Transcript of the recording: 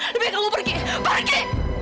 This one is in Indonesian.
lebih kamu pergi pergi